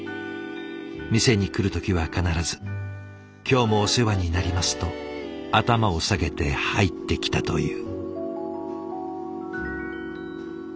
店に来る時は必ず「今日もお世話になります」と頭を下げて入ってきたという。